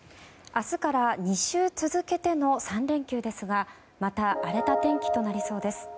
明日から２週続けての３連休ですがまた荒れた天気となりそうです。